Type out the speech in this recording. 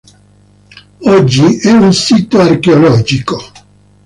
Oggi è un sito archeologico.